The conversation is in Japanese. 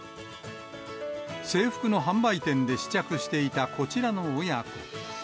制服の販売店で試着していたこちらの親子。